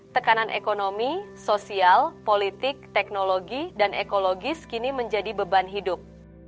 tekanan ekonomi sosial politik teknologi dan ekologis kini menjadi beban hidup